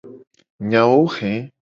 Nyawo he.